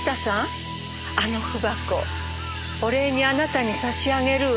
あの文箱お礼にあなたに差し上げるわ。